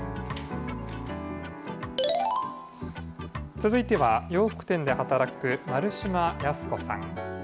続いては、洋服店で働く丸島康子さん。